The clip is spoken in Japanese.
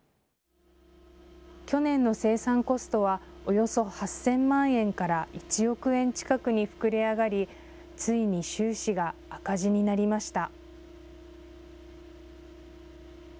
去年の生産コストは、およそ８０００万円から１億円近くに膨れ上がりついに収支が赤字になりました。